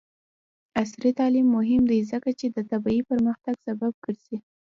عصري تعلیم مهم دی ځکه چې د طبي پرمختګ سبب ګرځي.